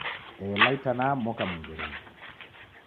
Ela itanaha moka mwengerenyi